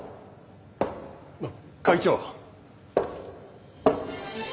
あっ会長。